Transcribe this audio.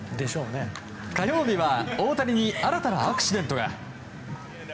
火曜日は大谷に新たなアクシデントが。